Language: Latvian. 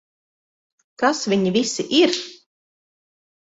Kas viņi visi ir?